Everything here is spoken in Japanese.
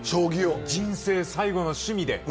人生最後の趣味で。